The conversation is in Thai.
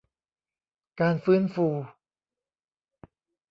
การฟื้นฟู